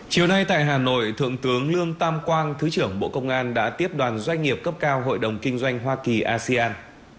chiều nay tại hà nội thượng tướng lương tam quang thứ trưởng bộ công an đã tiếp đoàn doanh nghiệp cấp cao hội đồng kinh doanh hoa kỳ asean